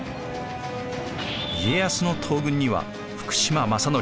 家康の東軍には福島正則